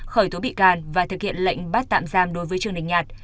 khởi tố bị gàn và thực hiện lệnh bắt tạm giam đối với trường đình nhạt